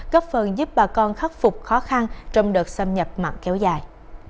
góp phần giúp bà con khắc phục khó khăn trong đợt xâm nhập mặn kéo dài